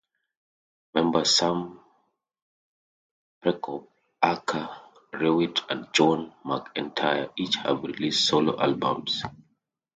Members Sam Prekop, Archer Prewitt, and John McEntire each have released solo albums.